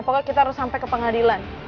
pokoknya kita harus sampai ke pengadilan